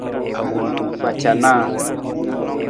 Kpacanaa.